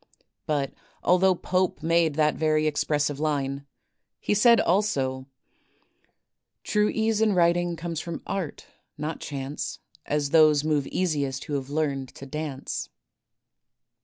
'' But although Pope made that very expressive line, he said also: *'True ease in writing, comes from art, not chance, As those move easiest who have learned to dance."